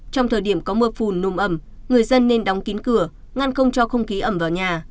trong thời điểm có mưa phùn nồm ẩm người dân nên đóng kín cửa ngăn không cho không khí ẩm vào nhà